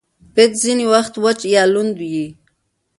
پيچ ځیني وخت وچ یا لوند يي.